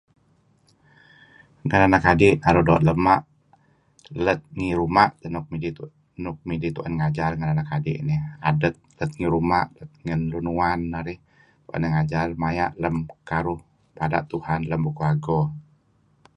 Ngajar anak kadi nuru' doo' rema'. Let ngi ruma' teh nuk midih tu'en ngajar ngen anak adi'. Adet let ngi ruma'ngen lun uwan narih an narih ngajar maya' lem karuh bada' Tuhan lem bukuh ago.